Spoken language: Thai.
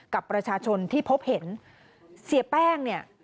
กับประชาชนที่พบเห็นเสียแป้งเนี่ย